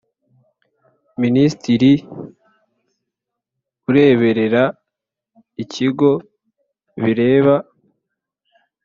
Minisitiri ureberera ikigo bireba .